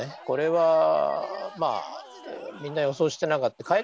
これはまあみんな予想してなかった。